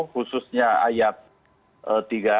khususnya ayat tiga